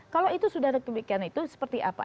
kalau itu sudah ada kebijakan itu seperti apa